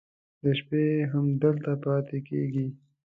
د شپې هم دلته پاتې کېږي.